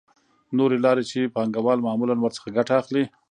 نورې لارې چې پانګوال معمولاً ورڅخه ګټه اخلي